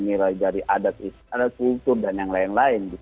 nilai dari adat istana kultur dan yang lain lain